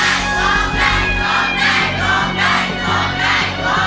ไม่ใช้